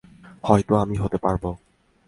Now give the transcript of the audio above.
হয়তো আমি হতে পারব।